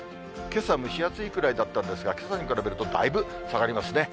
けさ、蒸し暑いくらいだったんですが、けさに比べるとだいぶ下がりますね。